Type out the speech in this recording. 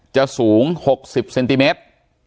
จะสูง๖๐เซนติเมตร